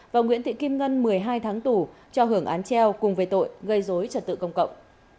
và nguyễn thị kim ngân một mươi hai tháng tù cho hưởng án treo cùng về tội gây dối trật tự công cộng